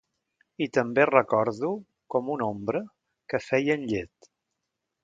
I també recordo, com una ombra, que feien llet.